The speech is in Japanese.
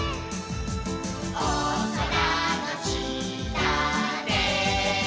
「おそらのしたで」